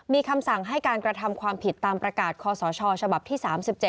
มีคำสั่งให้การกระทำความผิดตามประกาศคอสชฉบับที่๓๗